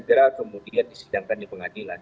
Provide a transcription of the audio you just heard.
segera kemudian disidangkan di pengadilan